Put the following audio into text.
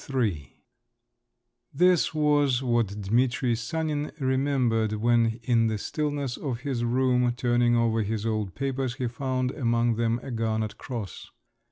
XLIII This was what Dimitri Sanin remembered when in the stillness of his room turning over his old papers he found among them a garnet cross.